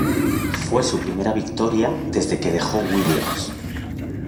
Fue su primera victoria desde que dejó Williams.